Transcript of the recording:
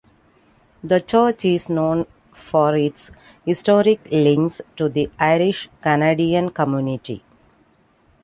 The church is known for its historic links to the Irish Canadian community.